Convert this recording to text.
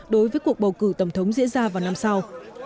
đối với cuộc bầu cử tổng thống diễn ra vào năm sau